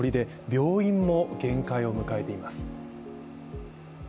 病院も限界を迎えています。